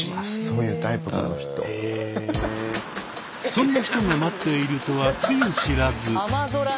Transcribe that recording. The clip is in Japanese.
そんな人が待っているとはつゆ知らず。